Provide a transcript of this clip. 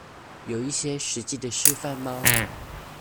有一些實際的示範嗎